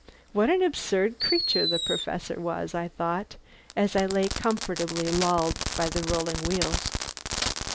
What an absurd creature the Professor was, I thought, as I lay comfortably lulled by the rolling wheels.